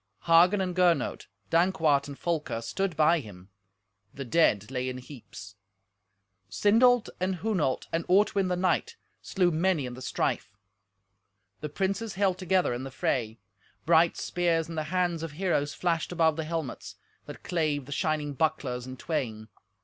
Hagen and Gernot, Dankwart and Folker, stood by him. The dead lay in heaps. Sindolt and Hunolt and Ortwin the knight slew many in the strife. The princes held together in the fray. Bright spears in the hands of heroes flashed above the helmets, that clave the shining bucklers in twain.